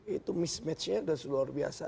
itu mismatch nya sudah luar biasa